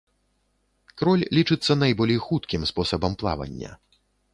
Кроль лічыцца найболей хуткім спосабам плавання.